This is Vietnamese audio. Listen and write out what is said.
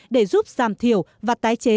để giúp giảm thiểu và tái chế